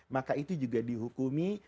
maka itu juga dihukumi